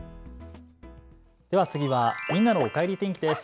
では次はみんなのおかえり天気です。